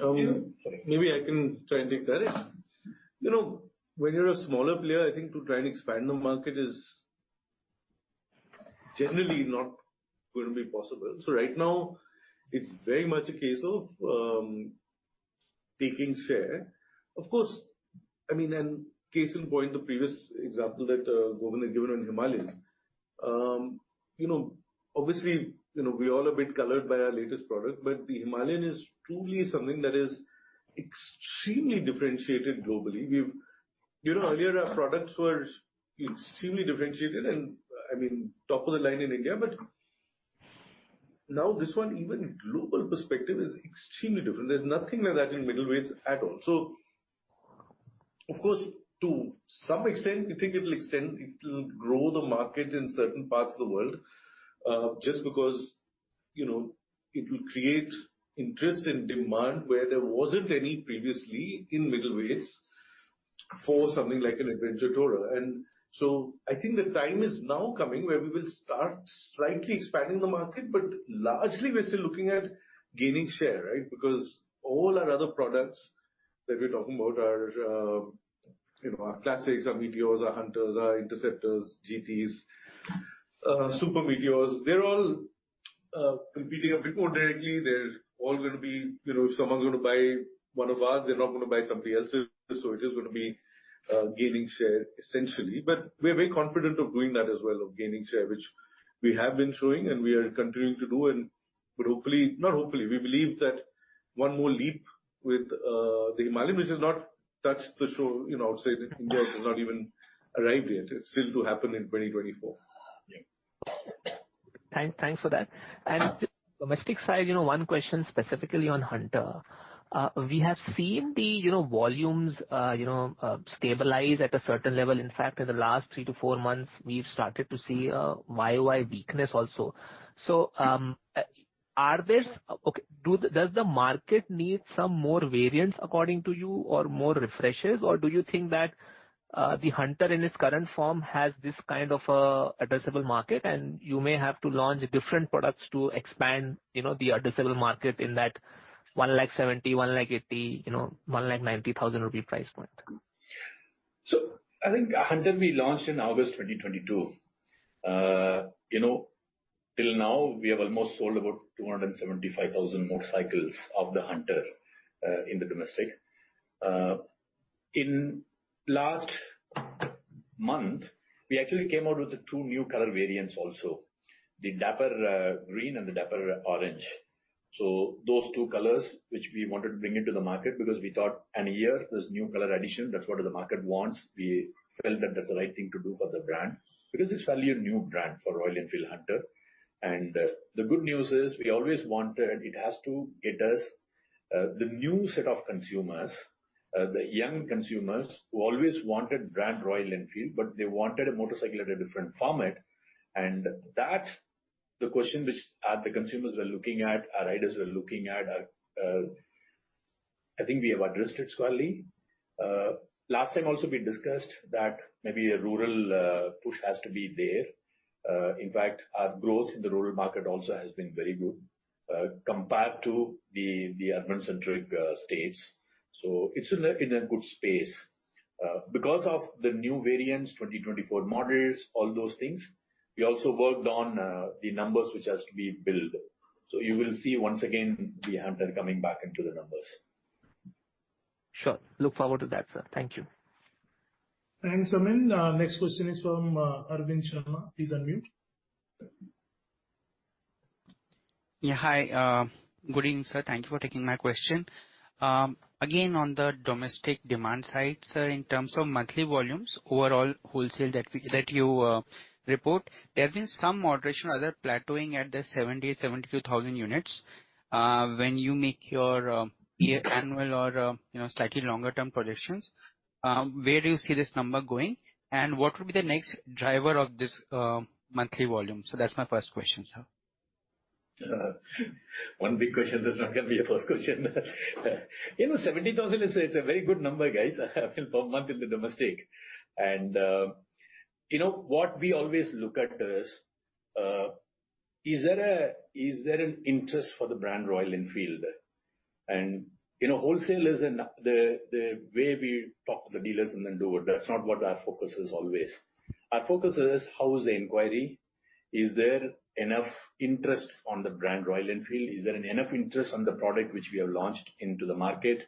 Maybe I can try and take that. You know, when you're a smaller player, I think to try and expand the market is generally not going to be possible. So right now, it's very much a case of taking share. Of course, I mean, and case in point, the previous example that Govindarajan given on Himalayan, you know, obviously, you know, we're all a bit colored by our latest product. But the Himalayan is truly something that is extremely differentiated globally. We've you know, earlier, our products were extremely differentiated and, I mean, top of the line in India. But now, this one, even global perspective, is extremely different. There's nothing like that in middleweights at all. So, of course, to some extent, we think it'll grow the market in certain parts of the world, just because, you know, it will create interest and demand where there wasn't any previously in middleweights for something like an adventure tourer. And so I think the time is now coming where we will start slightly expanding the market. But largely, we're still looking at gaining share, right, because all our other products that we're talking about are, you know, our Classics, our Meteors, our Hunters, our Interceptors, GTs, Super Meteors; they're all competing a bit more directly. They're all going to be, you know, if someone's going to buy one of ours, they're not going to buy somebody else's. So it is going to be gaining share, essentially. But we're very confident of doing that as well, of gaining share, which we have been showing, and we are continuing to do. And but hopefully not hopefully. We believe that one more leap with the Himalayan, which has not touched the show, you know, I would say, in India, it has not even arrived yet. It's still to happen in 2024. Yeah. Thanks. Thanks for that. And domestic side, you know, one question specifically on Hunter. We have seen the, you know, volumes, you know, stabilize at a certain level. In fact, in the last three to four months, we've started to see a YoY weakness also. So, are there? Okay. Does the market need some more variants, according to you, or more refreshes? Or do you think that the Hunter in its current form has this kind of a addressable market? You may have to launch different products to expand, you know, the addressable market in that 170,000-190,000 rupee price point. So I think Hunter, we launched in August 2022. You know, till now, we have almost sold about 275,000 motorcycles of the Hunter, in the domestic. In last month, we actually came out with the two new color variants also, the Dapper Green and the Dapper Orange. So those two colors, which we wanted to bring into the market because we thought, in a year, there's new color addition. That's what the market wants. We felt that that's the right thing to do for the brand because it's value new brand for Royal Enfield Hunter. And the good news is, we always wanted it has to get us, the new set of consumers, the young consumers who always wanted brand Royal Enfield, but they wanted a motorcycle at a different format. And that, the question which, the consumers were looking at, our riders were looking at, I think we have addressed it squarely. Last time, also, we discussed that maybe a rural, push has to be there. In fact, our growth in the rural market also has been very good, compared to the, the urban-centric, states. So it's in a good space. Because of the new variants, 2024 models, all those things, we also worked on, the numbers which has to be built. So you will see once again the Hunter coming back into the numbers. Sure. Look forward to that, sir. Thank you. Thanks, Amyn. Next question is from Arvind Sharma. Please unmute. Yeah. Hi. Good evening, sir. Thank you for taking my question. Again, on the domestic demand side, sir, in terms of monthly volumes, overall wholesale that you report, there's been some moderation or other plateauing at the 70-72,000 units. When you make your annual or, you know, slightly longer-term projections, where do you see this number going? And what would be the next driver of this monthly volume? So that's my first question, sir. One big question. That's not going to be a first question. You know, 70,000 is a it's a very good number, guys, I mean, per month in the domestic. And, you know, what we always look at is, is there a is there an interest for the brand Royal Enfield? And, you know, wholesale is an the, the way we talk to the dealers and then do it. That's not what our focus is always. Our focus is, how is the inquiry? Is there enough interest on the brand Royal Enfield? Is there enough interest on the product which we have launched into the market?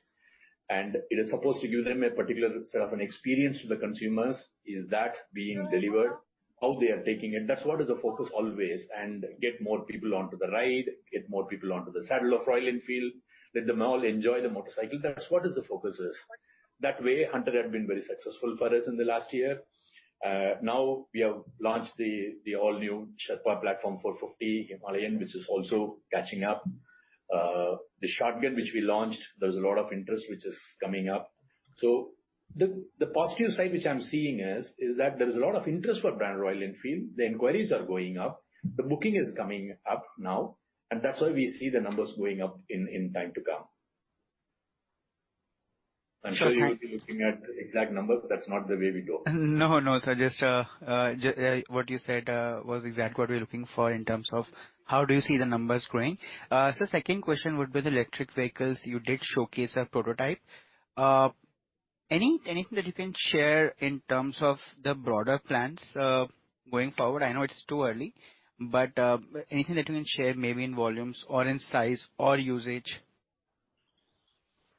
And it is supposed to give them a particular set of an experience to the consumers. Is that being delivered? How they are taking it. That's what is the focus always. And get more people onto the ride, get more people onto the saddle of Royal Enfield, let them all enjoy the motorcycle. That's what the focus is. That way, Hunter had been very successful for us in the last year. Now, we have launched the, the all-new Sherpa platform 450 Himalayan, which is also catching up. The Shotgun, which we launched, there's a lot of interest which is coming up. So the, the positive side which I'm seeing is, is that there's a lot of interest for brand Royal Enfield. The inquiries are going up. The booking is coming up now. And that's why we see the numbers going up in, in time to come. I'm sure you're looking at exact numbers. That's not the way we go. No, no, sir. Just, what you said, was exactly what we're looking for in terms of how do you see the numbers growing? So second question would be the electric vehicles. You did showcase a prototype. Anything that you can share in terms of the broader plans, going forward? I know it's too early. But, anything that you can share, maybe in volumes or in size or usage?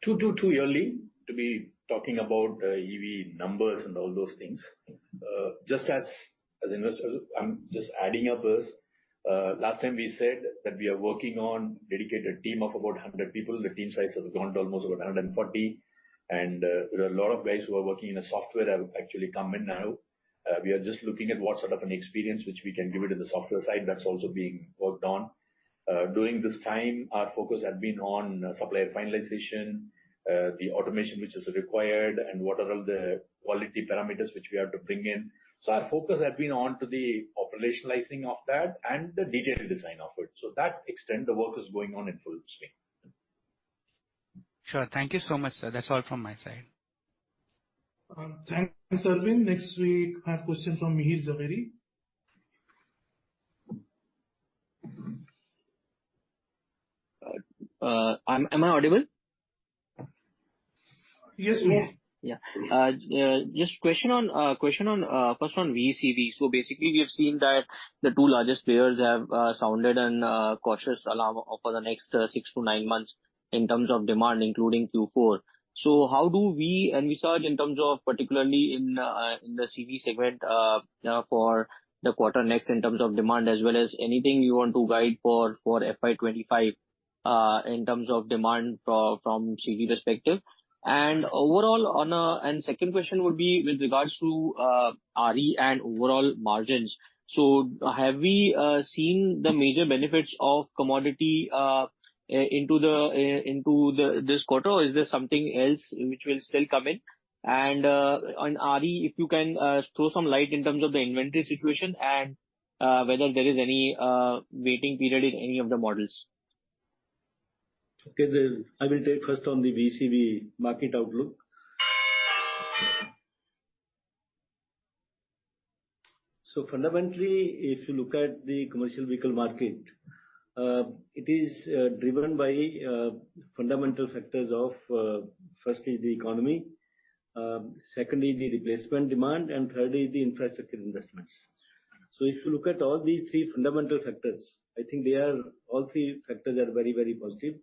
Too early to be talking about EV numbers and all those things. Just as, as investors, I'm just adding up. As last time, we said that we are working on dedicated team of about 100 people. The team size has gone to almost about 140. And there are a lot of guys who are working in the software have actually come in now. We are just looking at what sort of an experience which we can give it in the software side. That's also being worked on. During this time, our focus had been on supplier finalization, the automation which is required, and what are all the quality parameters which we have to bring in. So our focus had been onto the operationalizing of that and the detailed design of it. So to that extent, the work is going on in full speed. Sure. Thank you so much, sir. That's all from my side. Thanks, Arvind. Next, we have a question from Mihir Jhaveri. Am I audible? Yes, Mihir. Yeah. Just a question on, first on VECV. So basically, we have seen that the two largest players have sounded a cautious alarm for the next six to nine months in terms of demand, including Q4. So how do we and we saw it in terms of particularly in, in the CV segment, for the quarter next in terms of demand, as well as anything you want to guide for, for FY 2025, in terms of demand from, from CV perspective? And overall, on a and second question would be with regards to, RE and overall margins. So have we seen the major benefits of commodity, into the, into the this quarter? Or is there something else which will still come in? And, on RE, if you can, throw some light in terms of the inventory situation and, whether there is any, waiting period in any of the models. Okay. I will take first on the VECV market outlook. So fundamentally, if you look at the commercial vehicle market, it is driven by fundamental factors of firstly the economy, secondly the replacement demand, and thirdly the infrastructure investments. So if you look at all these three fundamental factors, I think they are all three factors very, very positive.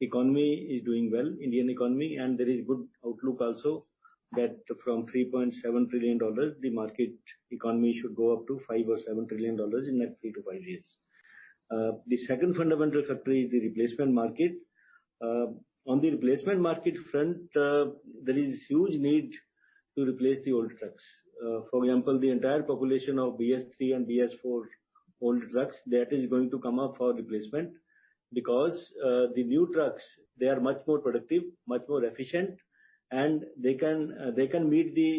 Economy is doing well, Indian economy. And there is good outlook also that from $3.7 trillion the market economy should go up to $5 or $7 trillion in the next three to five years. The second fundamental factor is the replacement market. On the replacement market front, there is huge need to replace the old trucks. For example, the entire population of BS-III and BS-IV old trucks that is going to come up for replacement because the new trucks they are much more productive, much more efficient, and they can they can meet the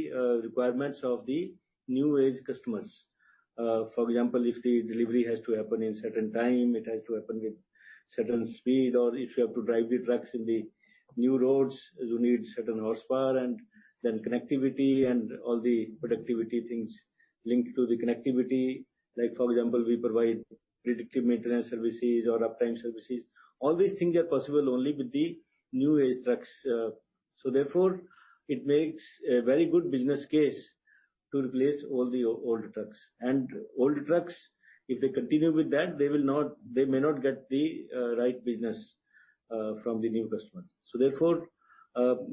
requirements of the new-age customers. For example, if the delivery has to happen in a certain time, it has to happen with certain speed. Or if you have to drive the trucks in the new roads, you need certain horsepower and then connectivity and all the productivity things linked to the connectivity. Like, for example, we provide predictive maintenance services or uptime services. All these things are possible only with the new-age trucks. So therefore, it makes a very good business case to replace all the old trucks. And old trucks, if they continue with that, they will not they may not get the right business from the new customers. So therefore,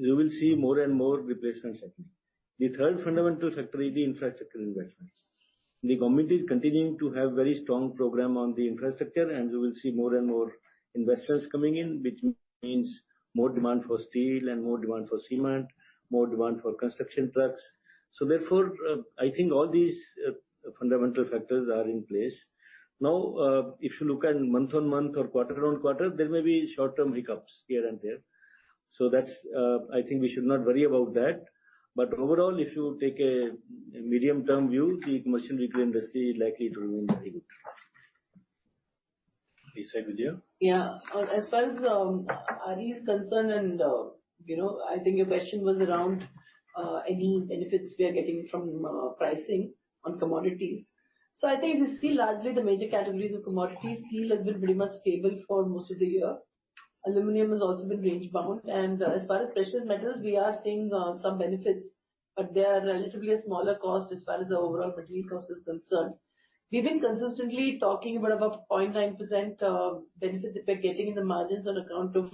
you will see more and more replacements happening. The third fundamental factor is the infrastructure investments. The government is continuing to have a very strong program on the infrastructure. And you will see more and more investments coming in, which means more demand for steel and more demand for cement, more demand for construction trucks. So therefore, I think all these, fundamental factors are in place. Now, if you look at month-on-month or quarter-on-quarter, there may be short-term hiccups here and there. So that's, I think we should not worry about that. But overall, if you take a medium-term view, the commercial vehicle industry is likely to remain very good. You said, Vidhya? Yeah. As far as RE is concerned, you know, I think your question was around any benefits we are getting from pricing on commodities. So I think if you see largely the major categories of commodities, steel has been pretty much stable for most of the year. Aluminum has also been range-bound. And as far as precious metals, we are seeing some benefits. But they are relatively a smaller cost as far as the overall material cost is concerned. We've been consistently talking about a 0.9% benefit that we're getting in the margins on account of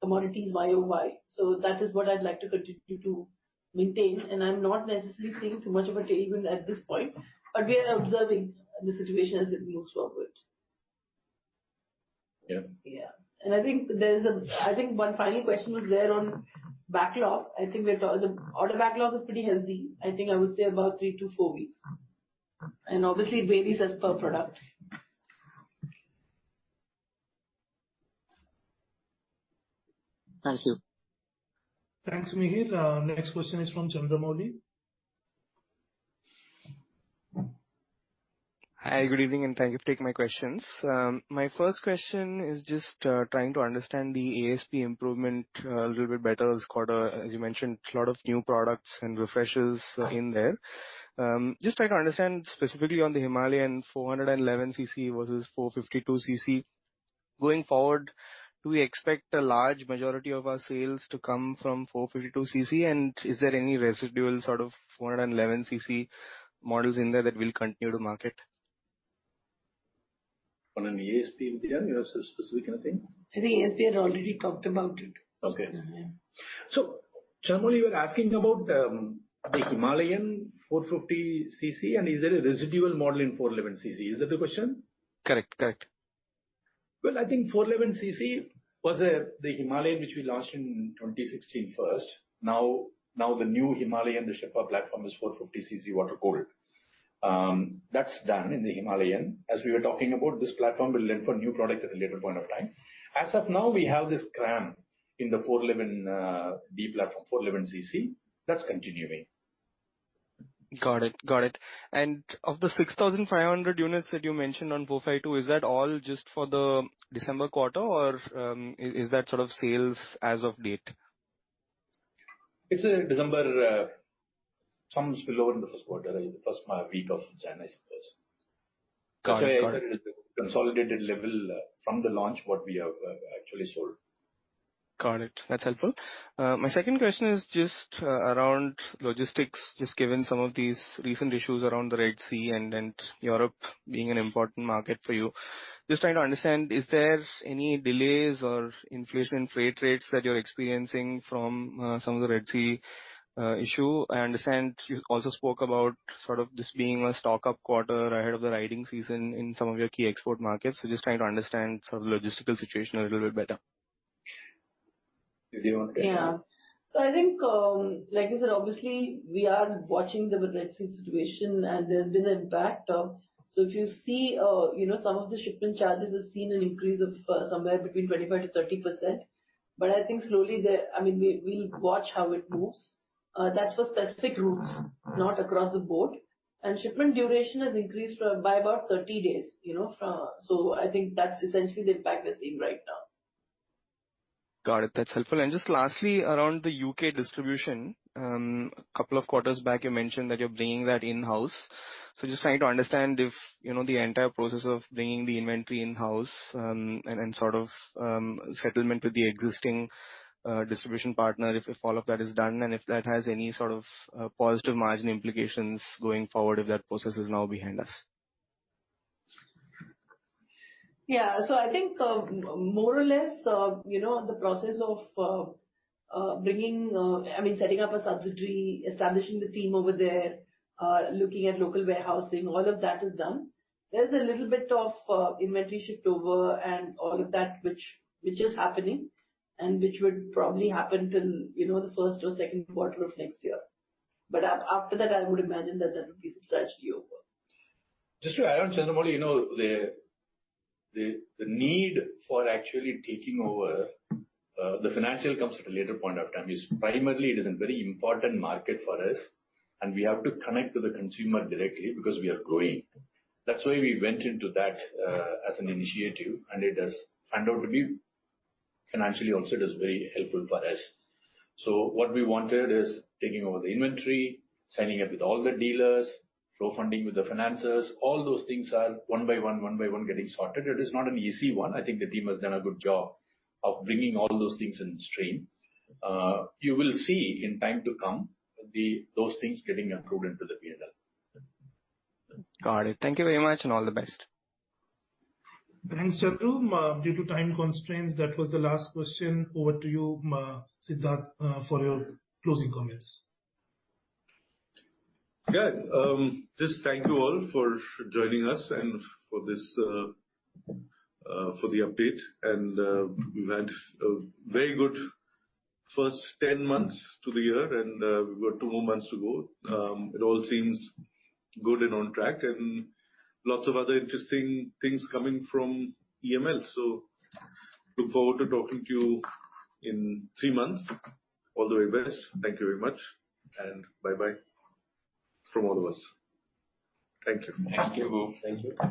commodities YoY. So that is what I'd like to continue to maintain. And I'm not necessarily seeing too much of a tailwind at this point. But we are observing the situation as it moves forward. Yeah. Yeah. And I think there's a I think one final question was there on backlog. I think we're talking the order backlog is pretty healthy, I think, I would say, about 3-4 weeks. And obviously, it varies as per product. Thank you. Thanks, Mihir. Next question is from Chandramouli. Hi. Good evening. And thank you for taking my questions. My first question is just, trying to understand the ASP improvement, a little bit better. It's got a, as you mentioned, a lot of new products and refreshes, in there. Just trying to understand specifically on the Himalayan 411cc versus 452cc, going forward, do we expect a large majority of our sales to come from 452cc? And is there any residual sort of 411cc models in there that will continue to market? On an ASP, Vidhya, you have some specific anything? I think ASP had already talked about it. Okay. So Chandramouli, you were asking about the Himalayan 450cc. And is there a residual model in 411cc? Is that the question? Correct. Correct. Well, I think 411cc was the Himalayan which we launched in 2016 first. Now, the new Himalayan, the Sherpa platform, is 450cc water-cooled. That's done in the Himalayan. As we were talking about, this platform will lend for new products at a later point of time. As of now, we have this Scram 411 in the 411cc platform, 411cc. That's continuing. Got it. Got it. And of the 6,500 units that you mentioned on 450, is that all just for the December quarter? Or, is that sort of sales as of date? It's December, some is still over in the first quarter, the first week of January, I suppose. Got it. Actually, I said it is a consolidated level from the launch what we have actually sold. Got it. That's helpful. My second question is just around logistics, just given some of these recent issues around the Red Sea and Europe being an important market for you. Just trying to understand, is there any delays or inflation in freight rates that you're experiencing from some of the Red Sea issue? I understand you also spoke about sort of this being a stock-up quarter ahead of the riding season in some of your key export markets. So just trying to understand sort of the logistical situation a little bit better. Did you want to? Yeah. So I think, like you said, obviously, we are watching the Red Sea situation. And there's been an impact, so if you see, you know, some of the shipment charges have seen an increase of somewhere between 25%-30%. But I think slowly, there—I mean, we'll watch how it moves. That's for specific routes, not across the board. And shipment duration has increased by about 30 days, you know, from—so I think that's essentially the impact we're seeing right now. Got it. That's helpful. And just lastly, around the U.K. distribution, a couple of quarters back, you mentioned that you're bringing that in-house. So just trying to understand if, you know, the entire process of bringing the inventory in-house, and sort of settlement with the existing distribution partner, if all of that is done and if that has any sort of positive margin implications going forward if that process is now behind us. Yeah. So I think, more or less, you know, the process of bringing, I mean, setting up a subsidiary, establishing the team over there, looking at local warehousing, all of that is done. There's a little bit of inventory shift over and all of that which is happening and which would probably happen till, you know, the first or second quarter of next year. But after that, I would imagine that that would be subsidiary over. Just to add on, Chandramouli, you know, the need for actually taking over the financial comes at a later point of time. It's primarily it is a very important market for us. And we have to connect to the consumer directly because we are growing. That's why we went into that, as an initiative. And it has found out to be financially also, it is very helpful for us. So what we wanted is taking over the inventory, signing up with all the dealers, crowdfunding with the financiers. All those things are one by one, one by one, getting sorted. It is not an easy one. I think the team has done a good job of bringing all those things in stream. You will see in time to come those things getting approved into the P&L. Got it. Thank you very much. And all the best. Thanks, Chandramouli. Due to time constraints, that was the last question. Over to you, Siddhartha, for your closing comments. Good. Just thank you all for joining us and for this, for the update. We've had a very good first 10 months to the year. We've got two more months to go. It all seems good and on track. Lots of other interesting things coming from EML. So look forward to talking to you in three months. All the very best. Thank you very much. And bye-bye from all of us. Thank you. Thank you, Thank you.